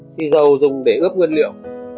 xì dầu dùng để ướp nguyên liệu